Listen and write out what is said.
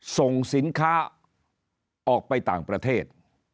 ส่งสินค้าออกไปต่างประเทศ